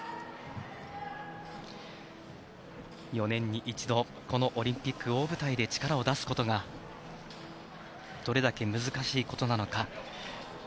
４年に一度このオリンピック大舞台で力を出すことがどれだけ難しいことなのか。